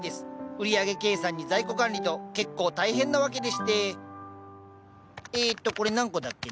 売り上げ計算に在庫管理と結構大変なわけでしてえとこれ何個だっけな。